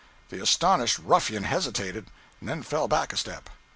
The astonished ruffian hesitated, and then fell back a step.